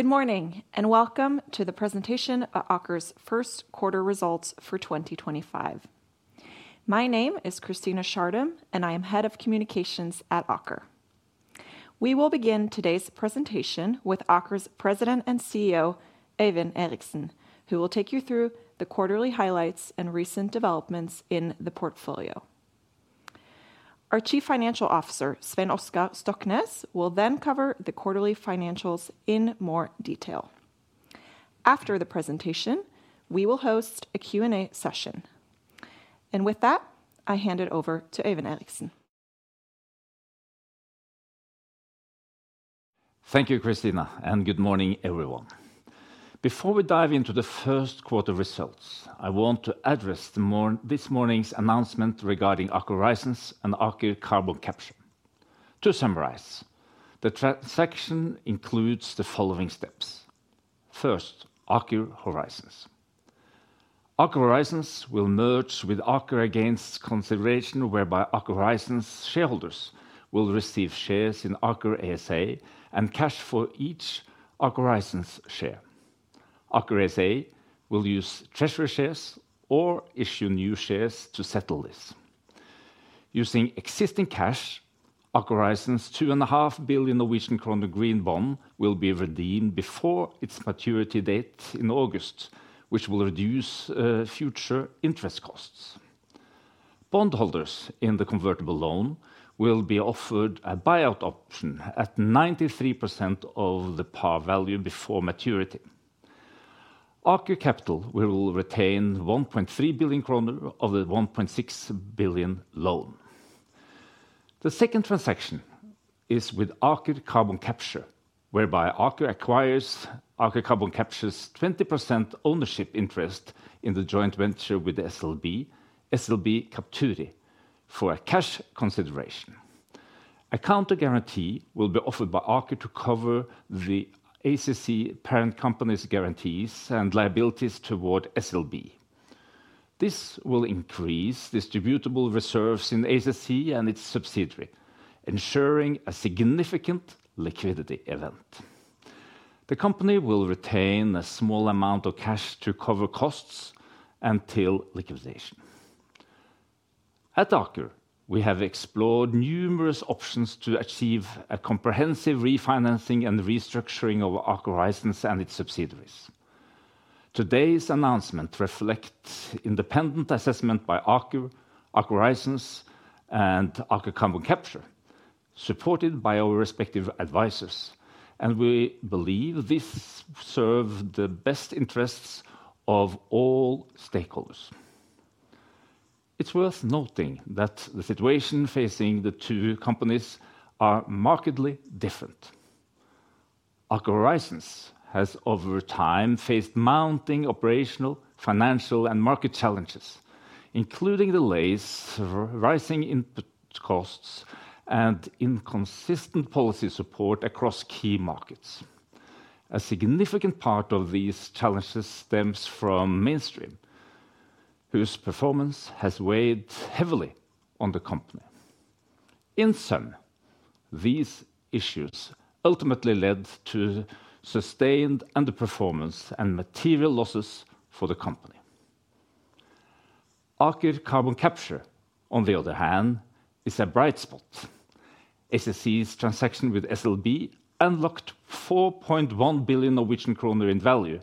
Good morning and welcome to the presentation of Aker's first quarter results for 2025. My name is Christina Schartum and I am Head of Communications at Aker. We will begin today's presentation with Aker's President and CEO, Øyvind Eriksen, who will take you through the quarterly highlights and recent developments in the portfolio. Our Chief Financial Officer, Svein Oskar Stoknes, will then cover the quarterly financials in more detail. After the presentation, we will host a Q&A session. With that, I hand it over to Øyvind Eriksen. Thank you, Christina, and good morning, everyone. Before we dive into the first quarter results, I want to address this morning's announcement regarding Aker Horizons and Aker Carbon Capture. To summarize, the transaction includes the following steps. First, Aker Horizons. Aker Horizons will merge with Aker ASA in exchange for consideration, whereby Aker Horizons shareholders will receive shares in Aker ASA and cash for each Aker Horizons share. Aker ASA will use treasury shares or issue new shares to settle this. Using existing cash, Aker Horizons' 2.5 billion Norwegian kroner Green Bond will be redeemed before its maturity date in August, which will reduce future interest costs. Bondholders in the convertible loan will be offered a buyout option at 93% of the par value before maturity. Aker Capital will retain 1.3 billion kroner of the 1.6 billion loan. The second transaction is with Aker Carbon Capture, whereby Aker acquires Aker Carbon Capture's 20% ownership interest in the joint venture with SLB, SLB Capturi, for a cash consideration. A counter guarantee will be offered by Aker to cover the ACC parent company's guarantees and liabilities toward SLB. This will increase distributable reserves in the ACC and its subsidiary, ensuring a significant liquidity event. The company will retain a small amount of cash to cover costs until liquidation. At Aker, we have explored numerous options to achieve a comprehensive refinancing and restructuring of Aker Horizons and its subsidiaries. Today's announcement reflects independent assessment by Aker, Aker Horizons, and Aker Carbon Capture, supported by our respective advisors, and we believe this serves the best interests of all stakeholders. It's worth noting that the situation facing the two companies is markedly different. Aker Horizons has over time faced mounting operational, financial, and market challenges, including delays, rising input costs, and inconsistent policy support across key markets. A significant part of these challenges stems from Mainstream, whose performance has weighed heavily on the company. In turn, these issues ultimately led to sustained underperformance and material losses for the company. Aker Carbon Capture, on the other hand, is a bright spot. ACC's transaction with SLB unlocked 4.1 billion Norwegian kroner in value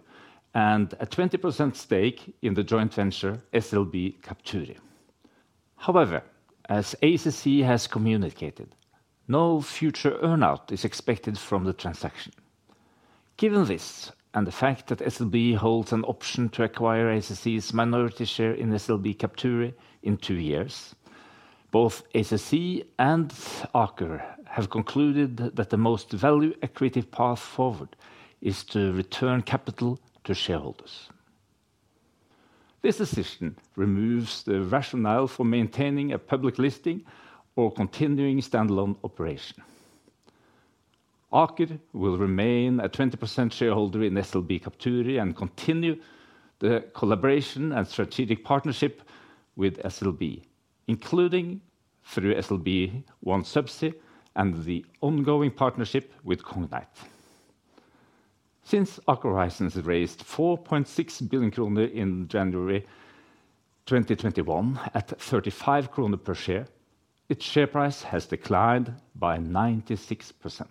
and a 20% stake in the joint venture SLB Capturi. However, as ACC has communicated, no future earnout is expected from the transaction. Given this and the fact that SLB holds an option to acquire ACC's minority share in SLB Capturi in two years, both ACC and Aker have concluded that the most value-accretive path forward is to return capital to shareholders. This decision removes the rationale for maintaining a public listing or continuing standalone operation. Aker will remain a 20% shareholder in SLB Capturi and continue the collaboration and strategic partnership with SLB, including through SLB OneSubsea and the ongoing partnership with Cognite. Since Aker Horizons raised 4.6 billion kroner in January 2021 at 35 kroner per share, its share price has declined by 96%.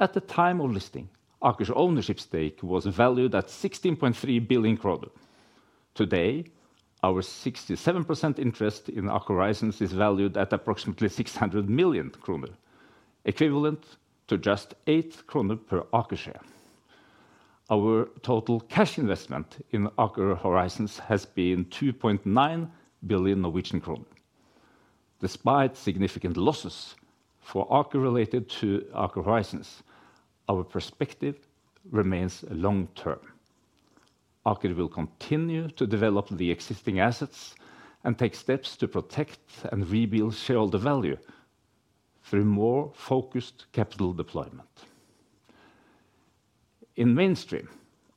At the time of listing, Aker's ownership stake was valued at 16.3 billion kroner. Today, our 67% interest in Aker Horizons is valued at approximately 600 million kroner, equivalent to just 8 kroner per Aker share. Our total cash investment in Aker Horizons has been 2.9 billion. Despite significant losses for Aker related to Aker Horizons, our perspective remains long-term. Aker will continue to develop the existing assets and take steps to protect and rebuild shareholder value through more focused capital deployment. In Mainstream,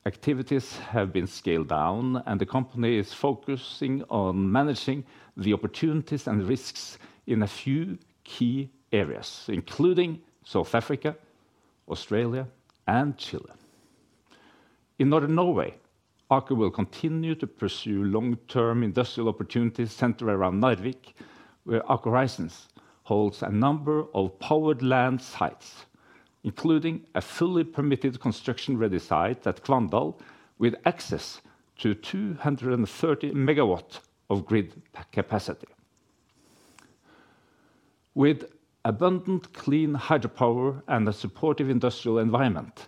activities have been scaled down, and the company is focusing on managing the opportunities and risks in a few key areas, including South Africa, Australia, and Chile. In Northern Norway, Aker will continue to pursue long-term industrial opportunities centered around Narvik, where Aker Horizons holds a number of powered land sites, including a fully permitted construction-ready site at Kvandal with access to 230 MW of grid capacity. With abundant clean hydropower and a supportive industrial environment,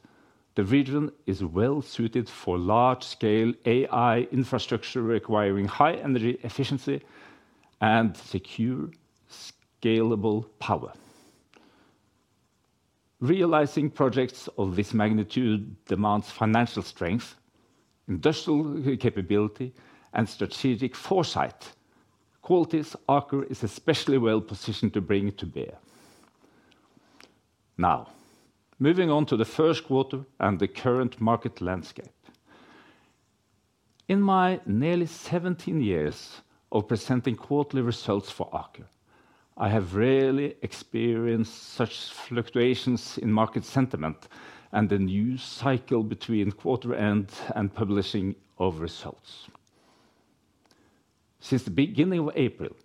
the region is well-suited for large-scale AI infrastructure requiring high energy efficiency and secure, scalable power. Realizing projects of this magnitude demands financial strength, industrial capability, and strategic foresight, qualities Aker is especially well-positioned to bring to bear. Now, moving on to the first quarter and the current market landscape. In my nearly 17 years of presenting quarterly results for Aker, I have rarely experienced such fluctuations in market sentiment and the news cycle between quarter end and publishing of results. Since the beginning of April,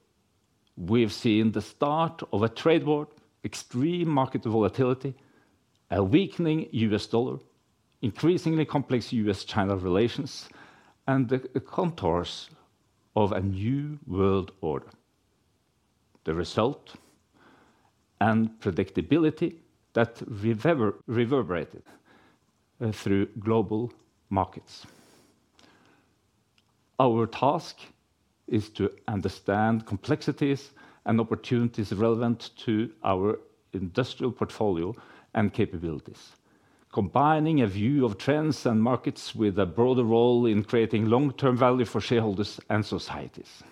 we've seen the start of a trade war, extreme market volatility, a weakening US dollar, increasingly complex U.S.-China relations, and the contours of a new world order. The result is unpredictability that reverberated through global markets. Our task is to understand complexities and opportunities relevant to our industrial portfolio and capabilities, combining a view of trends and markets with a broader role in creating long-term value for shareholders and societies.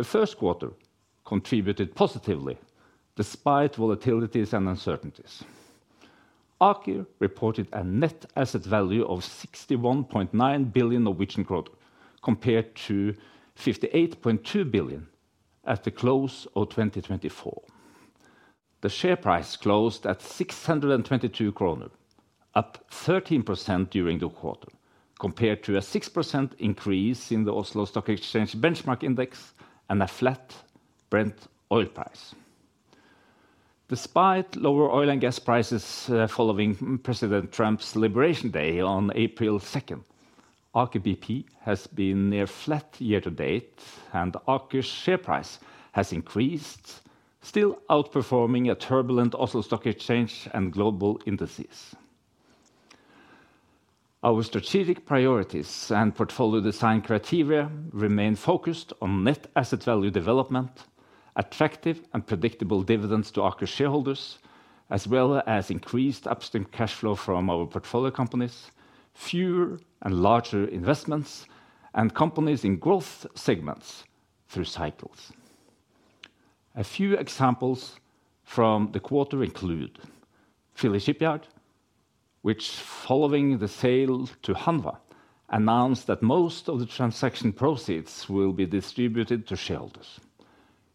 The first quarter contributed positively despite volatilities and uncertainties. Aker reported a net asset value of 61.9 billion, compared to 58.2 billion at the close of 2024. The share price closed at 622 kroner, up 13% during the quarter, compared to a 6% increase in the Oslo Stock Exchange Benchmark Index and a flat Brent oil price. Despite lower oil and gas prices following President Trump's Liberation Day on April 2nd, Aker BP has been near flat year-to-date, and Aker's share price has increased, still outperforming a turbulent Oslo Stock Exchange and global indices. Our strategic priorities and portfolio design criteria remain focused on net asset value development, attractive and predictable dividends to Aker shareholders, as well as increased upstream cash flow from our portfolio companies, fewer and larger investments, and companies in growth segments through cycles. A few examples from the quarter include Philly Shipyard, which, following the sale to Hanwha, announced that most of the transaction proceeds will be distributed to shareholders.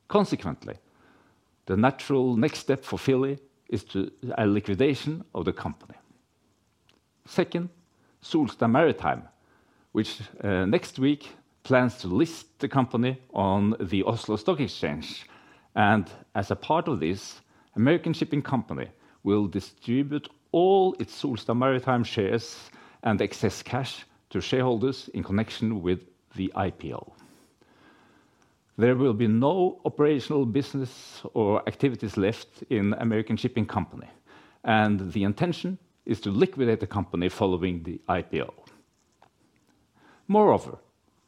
Consequently, the natural next step for Philly is a liquidation of the company. Second, Solstad Maritime, which next week plans to list the company on the Oslo Stock Exchange, and as a part of this, American Shipping Company will distribute all its Solstad Maritime shares and excess cash to shareholders in connection with the IPO. There will be no operational business or activities left in American Shipping Company, and the intention is to liquidate the company following the IPO. Moreover,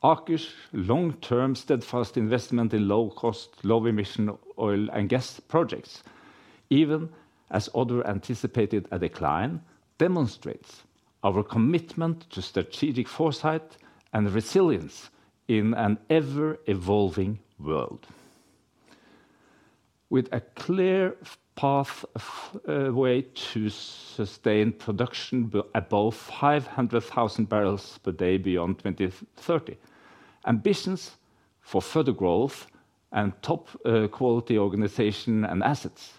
Aker's long-term steadfast investment in low-cost, low-emission oil and gas projects, even as others anticipated a decline, demonstrates our commitment to strategic foresight and resilience in an ever-evolving world. With a clear pathway to sustain production above 500,000 bbl per day beyond 2030, ambitions for further growth and top-quality organization and assets,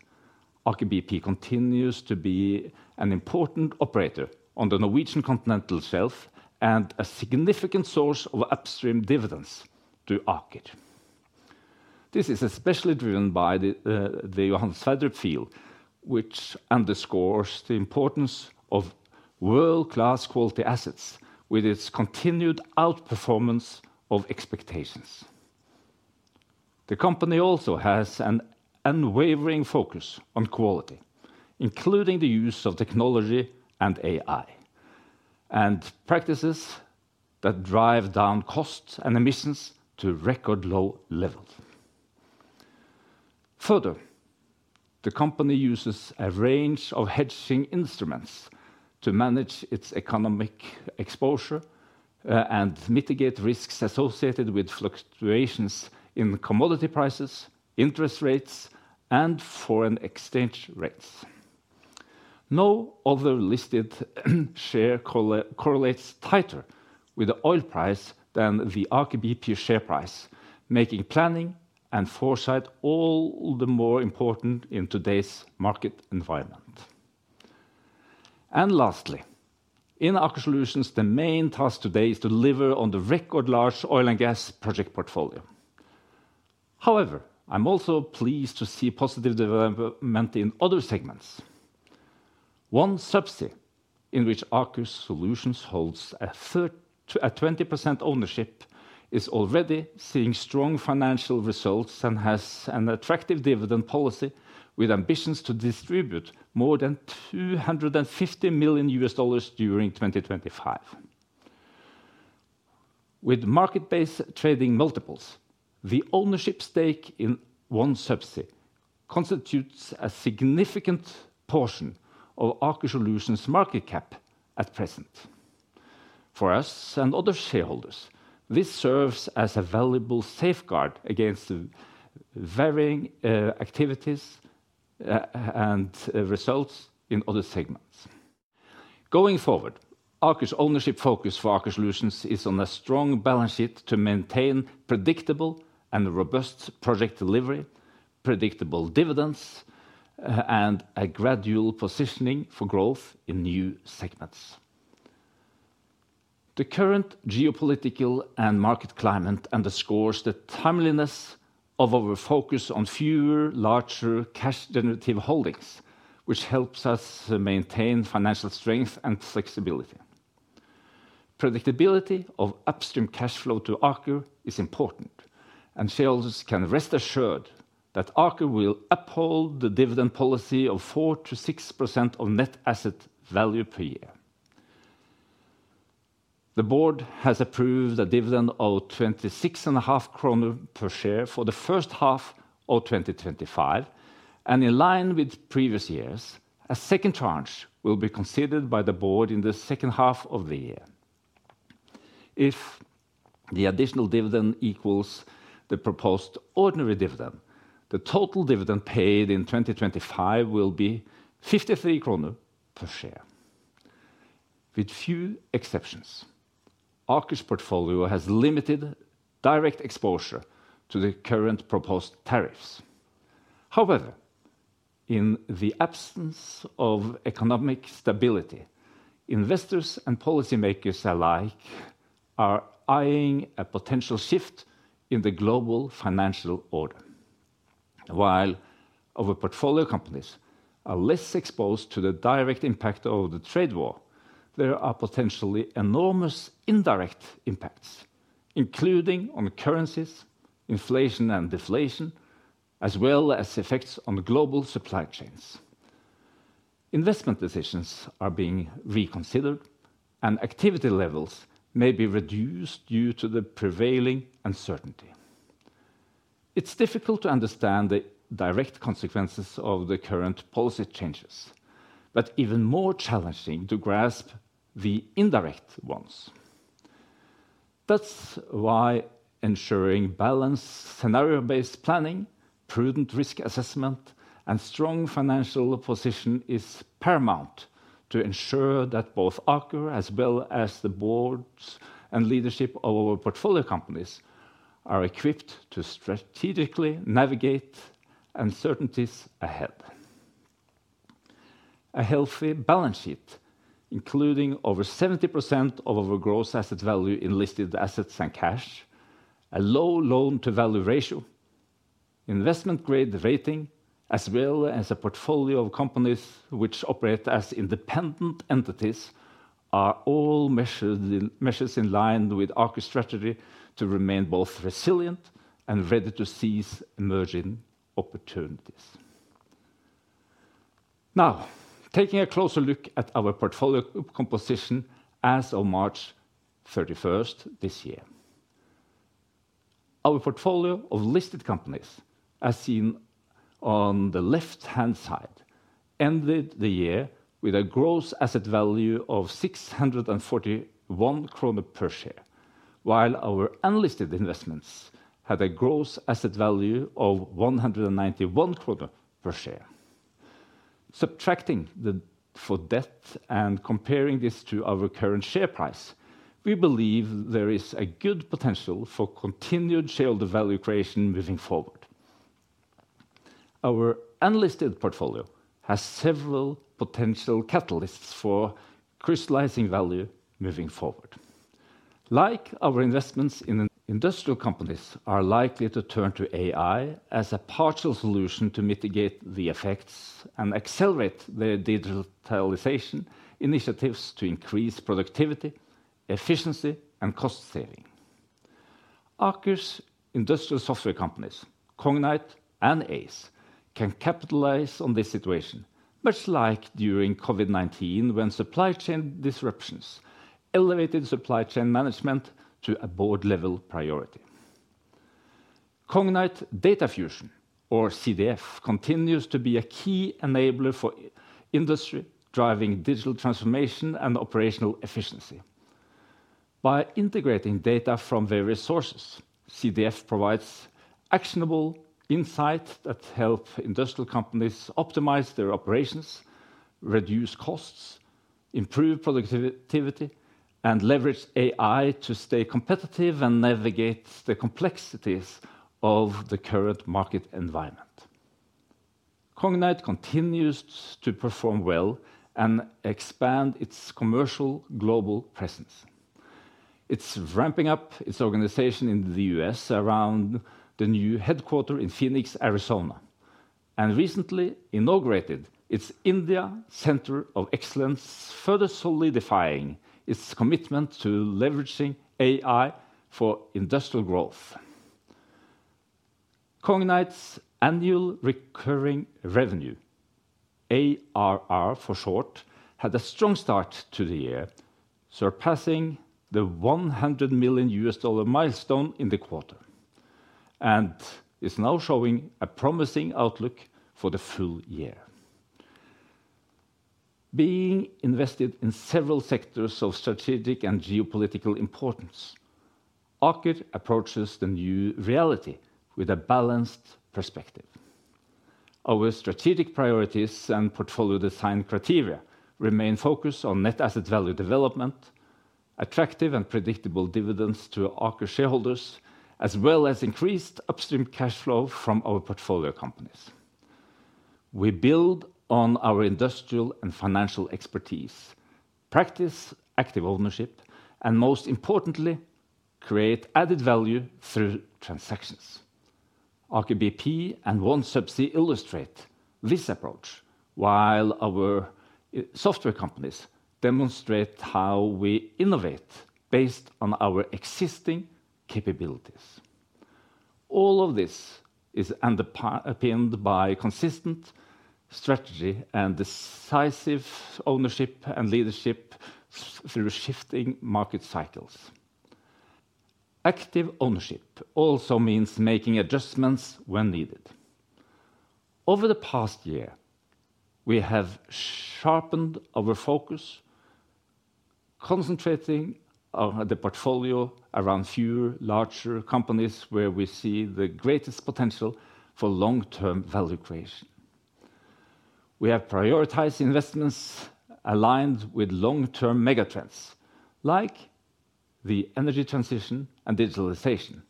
Aker BP continues to be an important operator on the Norwegian continental shelf and a significant source of upstream dividends to Aker. This is especially driven by the Johan Sverdrup field, which underscores the importance of world-class quality assets with its continued outperformance of expectations. The company also has an unwavering focus on quality, including the use of technology and AI, and practices that drive down costs and emissions to record-low levels. Further, the company uses a range of hedging instruments to manage its economic exposure and mitigate risks associated with fluctuations in commodity prices, interest rates, and foreign exchange rates. No other listed share correlates tighter with the oil price than the Aker BP share price, making planning and foresight all the more important in today's market environment. Lastly, in Aker Solutions, the main task today is to deliver on the record-large oil and gas project portfolio. However, I'm also pleased to see positive development in other segments. OneSubsea, in which Aker Solutions holds a 20% ownership, is already seeing strong financial results and has an attractive dividend policy with ambitions to distribute more than $250 million during 2025. With market-based trading multiples, the ownership stake in OneSubsea constitutes a significant portion of Aker Solutions' market cap at present. For us and other shareholders, this serves as a valuable safeguard against varying activities and results in other segments. Going forward, Aker's ownership focus for Aker Solutions is on a strong balance sheet to maintain predictable and robust project delivery, predictable dividends, and a gradual positioning for growth in new segments. The current geopolitical and market climate underscores the timeliness of our focus on fewer, larger cash-generative holdings, which helps us maintain financial strength and flexibility. Predictability of upstream cash flow to Aker is important, and shareholders can rest assured that Aker will uphold the dividend policy of 4%-6% of net asset value per year. The board has approved a dividend of 26.5 kroner per share for the first half of 2025, and in line with previous years, a second tranche will be considered by the board in the second half of the year. If the additional dividend equals the proposed ordinary dividend, the total dividend paid in 2025 will be 53 kroner per share. With few exceptions, Aker's portfolio has limited direct exposure to the current proposed tariffs. However, in the absence of economic stability, investors and policymakers alike are eyeing a potential shift in the global financial order. While our portfolio companies are less exposed to the direct impact of the trade war, there are potentially enormous indirect impacts, including on currencies, inflation, and deflation, as well as effects on global supply chains. Investment decisions are being reconsidered, and activity levels may be reduced due to the prevailing uncertainty. It's difficult to understand the direct consequences of the current policy changes, but even more challenging to grasp the indirect ones. That's why ensuring balanced scenario-based planning, prudent risk assessment, and strong financial position is paramount to ensure that both Aker, as well as the boards and leadership of our portfolio companies, are equipped to strategically navigate uncertainties ahead. A healthy balance sheet, including over 70% of our gross asset value in listed assets and cash, a low loan-to-value ratio, investment-grade rating, as well as a portfolio of companies which operate as independent entities, are all measures in line with Aker's strategy to remain both resilient and ready to seize emerging opportunities. Now, taking a closer look at our portfolio composition as of March 31st this year, our portfolio of listed companies, as seen on the left-hand side, ended the year with a gross asset value of 641 kroner per share, while our unlisted investments had a gross asset value of 191 kroner per share. Subtracting the debt and comparing this to our current share price, we believe there is a good potential for continued shareholder value creation moving forward. Our unlisted portfolio has several potential catalysts for crystallizing value moving forward. Like our investments in industrial companies, we are likely to turn to AI as a partial solution to mitigate the effects and accelerate the digitalization initiatives to increase productivity, efficiency, and cost savings. Aker's industrial software companies, Cognite and Aize, can capitalize on this situation, much like during COVID-19, when supply chain disruptions elevated supply chain management to a board-level priority. Cognite Data Fusion, or CDF, continues to be a key enabler for industry, driving digital transformation and operational efficiency. By integrating data from various sources, CDF provides actionable insights that help industrial companies optimize their operations, reduce costs, improve productivity, and leverage AI to stay competitive and navigate the complexities of the current market environment. Cognite continues to perform well and expand its commercial global presence. It's ramping up its organization in the U.S. around the new headquarter in Phoenix, Arizona, and recently inaugurated its India Center of Excellence, further solidifying its commitment to leveraging AI for industrial growth. Cognite's annual recurring revenue, ARR for short, had a strong start to the year, surpassing the $100 million milestone in the quarter, and is now showing a promising outlook for the full year. Being invested in several sectors of strategic and geopolitical importance, Aker approaches the new reality with a balanced perspective. Our strategic priorities and portfolio design criteria remain focused on net asset value development, attractive and predictable dividends to Aker shareholders, as well as increased upstream cash flow from our portfolio companies. We build on our industrial and financial expertise, practice active ownership, and most importantly, create added value through transactions. Aker BP and OneSubsea illustrate this approach, while our software companies demonstrate how we innovate based on our existing capabilities. All of this is underpinned by consistent strategy and decisive ownership and leadership through shifting market cycles. Active ownership also means making adjustments when needed. Over the past year, we have sharpened our focus, concentrating the portfolio around fewer larger companies where we see the greatest potential for long-term value creation. We have prioritized investments aligned with long-term megatrends like the energy transition and digitalization,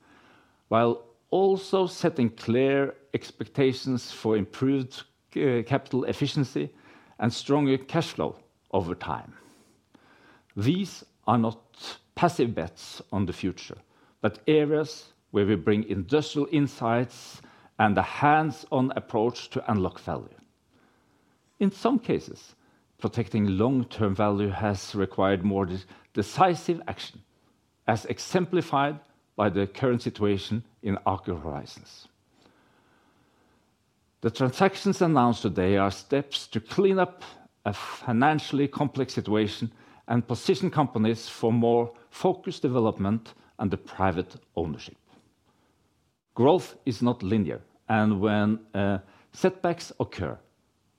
while also setting clear expectations for improved capital efficiency and stronger cash flow over time. These are not passive bets on the future, but areas where we bring industrial insights and a hands-on approach to unlock value. In some cases, protecting long-term value has required more decisive action, as exemplified by the current situation in Aker Horizons. The transactions announced today are steps to clean up a financially complex situation and position companies for more focused development and private ownership. Growth is not linear, and when setbacks occur,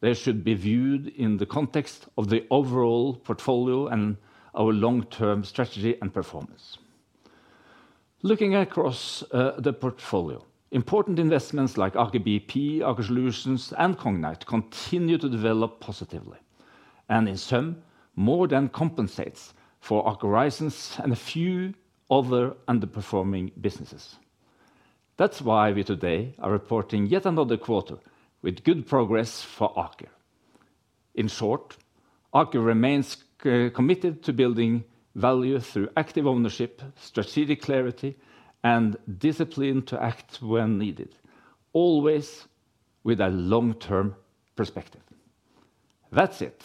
they should be viewed in the context of the overall portfolio and our long-term strategy and performance. Looking across the portfolio, important investments like Aker BP, Aker Solutions, and Cognite continue to develop positively, and in sum, more than compensates for Aker Horizons and a few other underperforming businesses. That's why we today are reporting yet another quarter with good progress for Aker. In short, Aker remains committed to building value through active ownership, strategic clarity, and discipline to act when needed, always with a long-term perspective. That's it.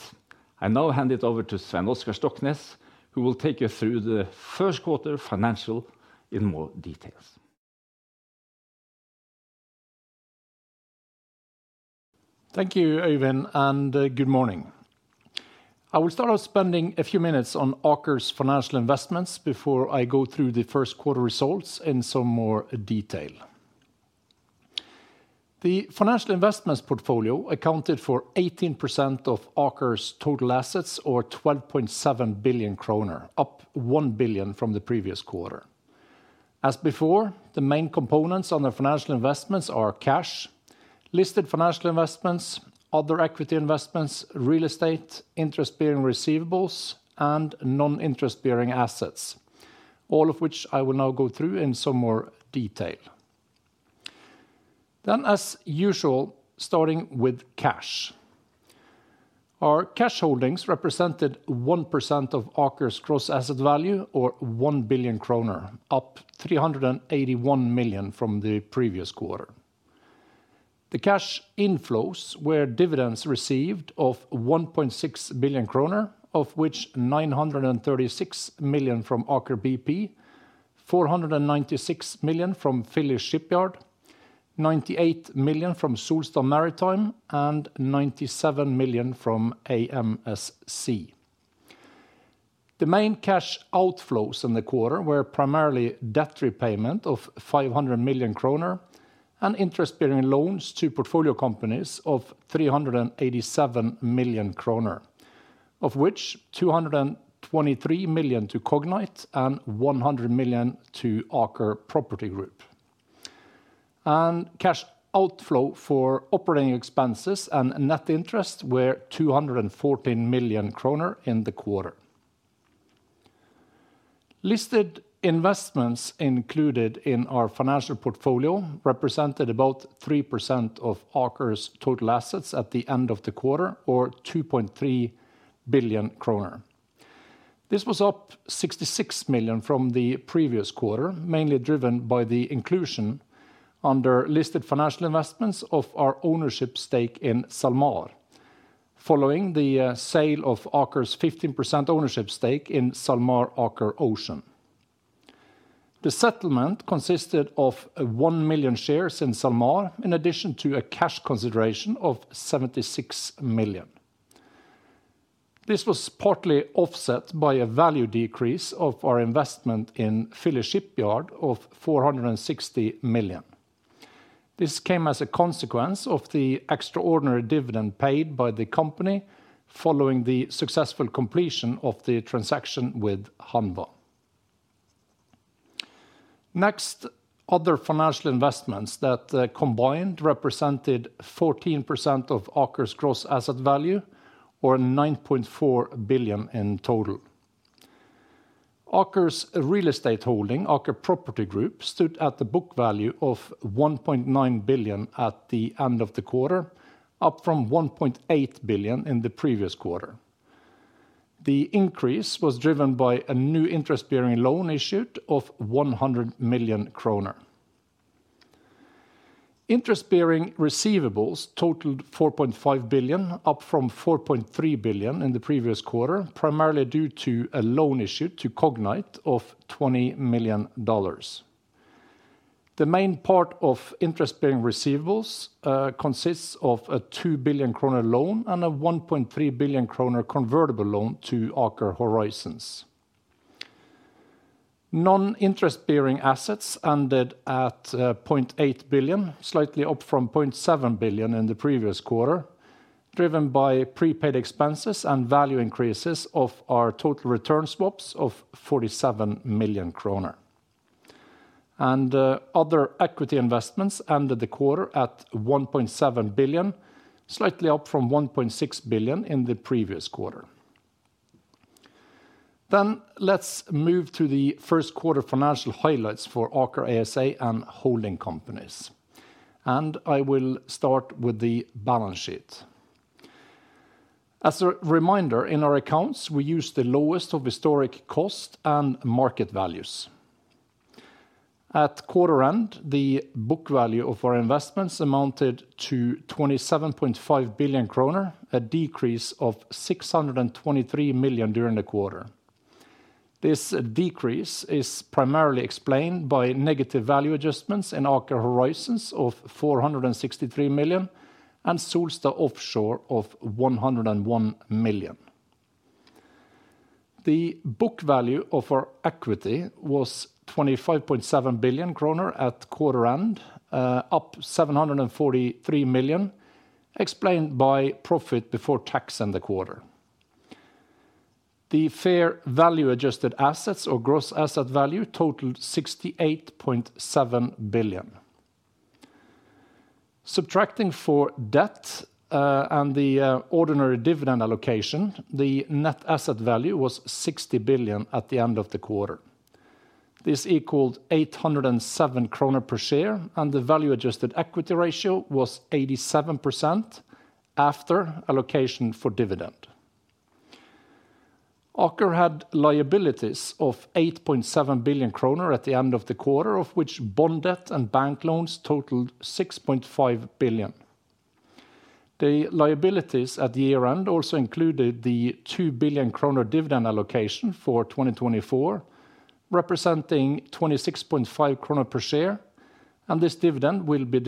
I now hand it over to Svein Oskar Stoknes, who will take you through the first quarter financial in more details. Thank you, Øyvind, and good morning. I will start off spending a few minutes on Aker's financial investments before I go through the first quarter results in some more detail. The financial investments portfolio accounted for 18% of Aker's total assets, or 12.7 billion kroner, up 1 billion from the previous quarter. As before, the main components on the financial investments are cash, listed financial investments, other equity investments, real estate, interest-bearing receivables, and non-interest-bearing assets, all of which I will now go through in some more detail. Then, as usual, starting with cash. Our cash holdings represented 1% of Aker's gross asset value, or 1 billion kroner, up 381 million from the previous quarter. The cash inflows were dividends received of 1.6 billion kroner, of which 936 million from Aker BP, 496 million from Philly Shipyard, 98 million from Solstad Maritime, and 97 million from AMSC. The main cash outflows in the quarter were primarily debt repayment of 500 million kroner and interest-bearing loans to portfolio companies of 387 million kroner, of which 223 million to Cognite and 100 million to Aker Property Group. Cash outflow for operating expenses and net interest were 214 million kroner in the quarter. Listed investments included in our financial portfolio represented about 3% of Aker's total assets at the end of the quarter, or 2.3 billion kroner. This was up 66 million from the previous quarter, mainly driven by the inclusion under listed financial investments of our ownership stake in SalMar, following the sale of Aker's 15% ownership stake in SalMar Aker Ocean. The settlement consisted of 1 million shares in SalMar, in addition to a cash consideration of 76 million. This was partly offset by a value decrease of our investment in Philly Shipyard of 460 million. This came as a consequence of the extraordinary dividend paid by the company following the successful completion of the transaction with Hanwha. Next, other financial investments that combined represented 14% of Aker's gross asset value, or 9.4 billion in total. Aker's real estate holding, Aker Property Group, stood at a book value of 1.9 billion at the end of the quarter, up from 1.8 billion in the previous quarter. The increase was driven by a new interest-bearing loan issued of 100 million kroner. Interest-bearing receivables totaled 4.5 billion, up from 4.3 billion in the previous quarter, primarily due to a loan issued to Cognite of $20 million. The main part of interest-bearing receivables consists of a 2 billion kroner loan and a 1.3 billion kroner convertible loan to Aker Horizons. Non-interest-bearing assets ended at 0.8 billion, slightly up from 0.7 billion in the previous quarter, driven by prepaid expenses and value increases of our total return swaps of 47 million kroner. Other equity investments ended the quarter at 1.7 billion, slightly up from 1.6 billion in the previous quarter. Let's move to the first quarter financial highlights for Aker ASA and holding companies. I will start with the balance sheet. As a reminder, in our accounts, we use the lowest of historic cost and market values. At quarter end, the book value of our investments amounted to 27.5 billion kroner, a decrease of 623 million during the quarter. This decrease is primarily explained by negative value adjustments in Aker Horizons of 463 million and Solstad Offshore of 101 million. The book value of our equity was 25.7 billion kroner at quarter end, up 743 million, explained by profit before tax in the quarter. The fair value adjusted assets, or gross asset value, totaled 68.7 billion. Subtracting for debt and the ordinary dividend allocation, the net asset value was 60 billion at the end of the quarter. This equaled 807 kroner per share, and the value adjusted equity ratio was 87% after allocation for dividend. Aker had liabilities of 8.7 billion kroner at the end of the quarter, of which bond debt and bank loans totaled 6.5 billion. The liabilities at year end also included the 2 billion kroner dividend allocation for 2024, representing 26.5 kroner per share, and this dividend will be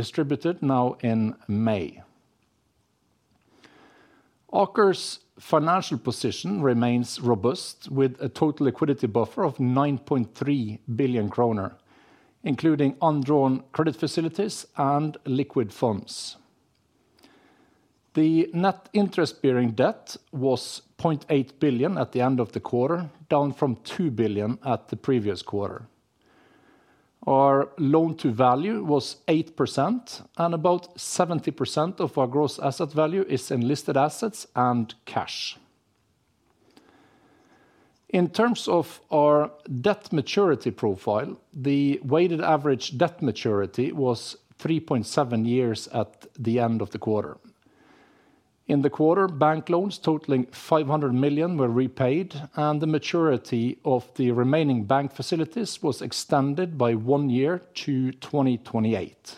distributed now in May. Aker's financial position remains robust, with a total liquidity buffer of 9.3 billion kroner, including undrawn credit facilities and liquid funds. The net interest-bearing debt was 0.8 billion at the end of the quarter, down from 2 billion at the previous quarter. Our loan to value was 8%, and about 70% of our gross asset value is in listed assets and cash. In terms of our debt maturity profile, the weighted average debt maturity was 3.7 years at the end of the quarter. In the quarter, bank loans totaling 500 million were repaid, and the maturity of the remaining bank facilities was extended by one year to 2028.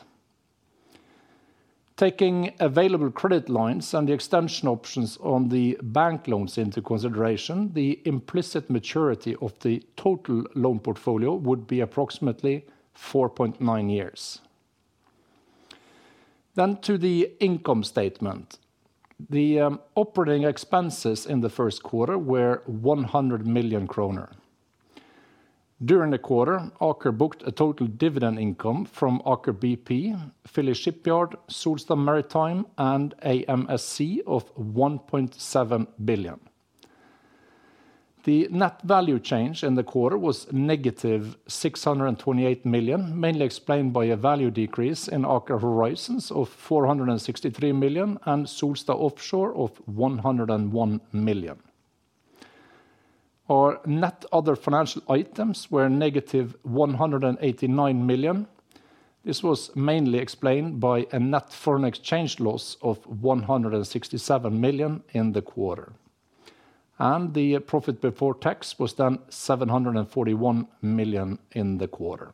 Taking available credit lines and the extension options on the bank loans into consideration, the implicit maturity of the total loan portfolio would be approximately 4.9 years. To the income statement. The operating expenses in the first quarter were 100 million kroner. During the quarter, Aker booked a total dividend income from Aker BP, Philly Shipyard, Solstad Maritime, and AMSC of 1.7 billion. The net value change in the quarter was negative 628 million, mainly explained by a value decrease in Aker Horizons of 463 million and Solstad Offshore of 101 million. Our net other financial items were negative 189 million. This was mainly explained by a net foreign exchange loss of 167 million in the quarter. The profit before tax was then 741 million in the quarter.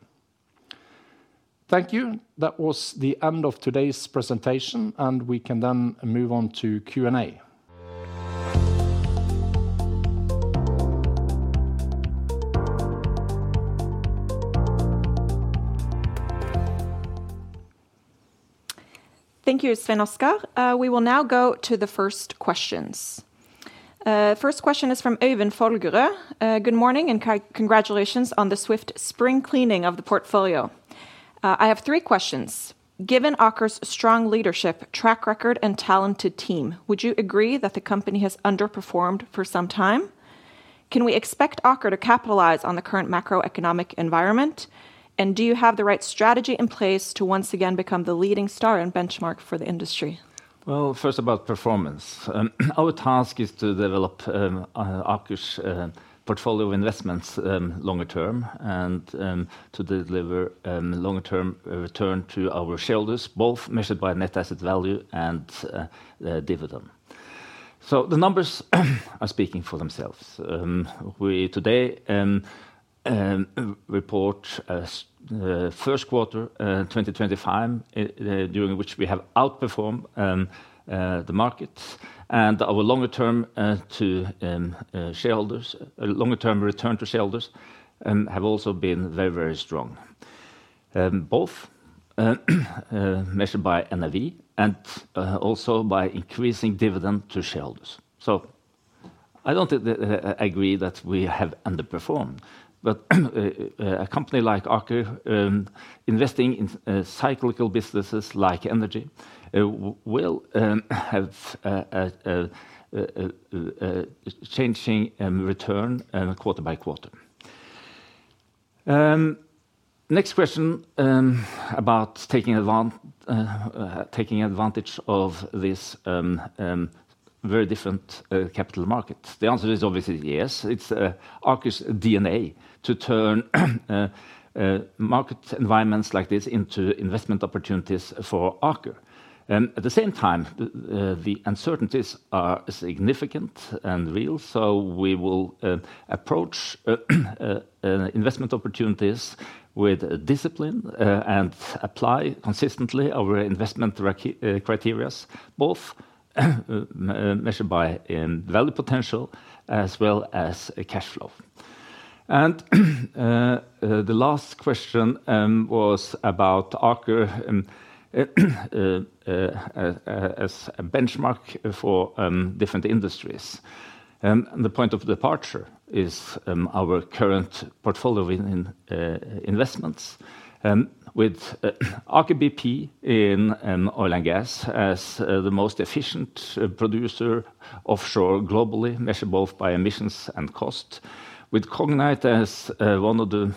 Thank you. That was the end of today's presentation, and we can then move on to Q&A. Thank you, Svein Oskar. We will now go to the first questions. First question is from Øyvind Fagerø. Good morning and congratulations on the swift spring cleaning of the portfolio. I have three questions. Given Aker's strong leadership, track record, and talented team, would you agree that the company has underperformed for some time? Can we expect Aker to capitalize on the current macroeconomic environment? Do you have the right strategy in place to once again become the leading star and benchmark for the industry? First, about performance. Our task is to develop Aker's portfolio of investments longer term and to deliver a longer term return to our shareholders, both measured by net asset value and dividend. The numbers are speaking for themselves. We today report first quarter 2025, during which we have outperformed the market. Our longer term return to shareholders has also been very, very strong, both measured by NAV and also by increasing dividend to shareholders. I don't agree that we have underperformed, but a company like Aker, investing in cyclical businesses like energy, will have a changing return quarter by quarter. The next question about taking advantage of this very different capital market. The answer is obviously yes. It's Aker's DNA to turn market environments like this into investment opportunities for Aker. At the same time, the uncertainties are significant and real, so we will approach investment opportunities with discipline and apply consistently our investment criteria, both measured by value potential as well as cash flow. The last question was about Aker as a benchmark for different industries. The point of departure is our current portfolio investments with Aker BP in oil and gas as the most efficient producer offshore globally, measured both by emissions and cost, with Cognite as one of the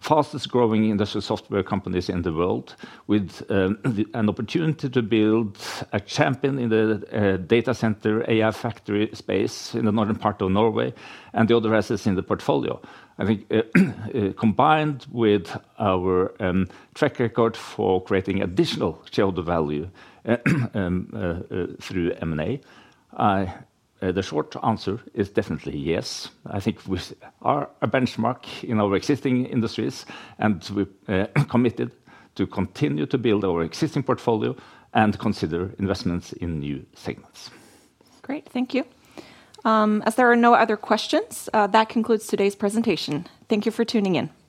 fastest growing industrial software companies in the world, with an opportunity to build a champion in the data center AI factory space in the northern part of Norway, and the other assets in the portfolio. I think combined with our track record for creating additional shareholder value through M&A, the short answer is definitely yes. I think we are a benchmark in our existing industries, and we are committed to continue to build our existing portfolio and consider investments in new segments. Great, thank you. As there are no other questions, that concludes today's presentation. Thank you for tuning in.